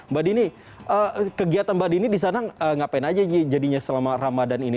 mbak dini kegiatan mbak dini disana ngapain aja jadinya selama ramadan ini